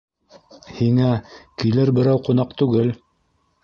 Һиңә килер берәү - ҡунаҡ түгел.